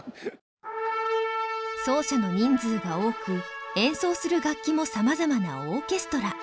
奏者の人数が多く演奏する楽器もさまざまなオーケストラ。